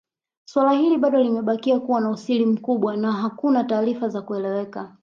Swala hili bado limebakia kuwa na usiri mkubwa na hakuna taarifa za kueleweka